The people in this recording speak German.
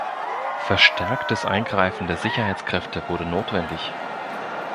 Verstärktes Eingreifen der Sicherheitskräfte wurde notwendig.